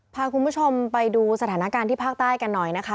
พาคุณผู้ชมไปดูสถานการณ์ที่ภาคใต้กันหน่อยนะคะ